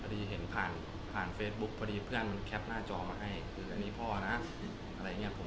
พอดีเห็นผ่านเฟซบุ๊กพอดีเพื่อนแคปหน้าจออันนี้พ่อนะอะไรอย่างเงี่ย